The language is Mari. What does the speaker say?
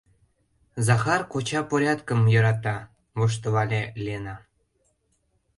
— Захар коча порядкым йӧрата, — воштылале Лена.